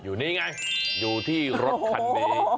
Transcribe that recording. อยู่นี่ไงอยู่ที่รถคันนี้